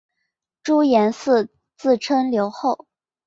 朱延嗣自称留后。